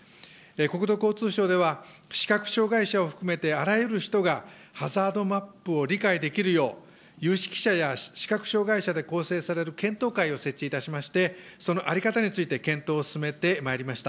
国土交通省では、視覚障害者を含めてあらゆる人がハザードマップを理解できるよう、有識者や視覚障害者で構成される検討会を設置いたしまして、その在り方について検討を進めてまいりました。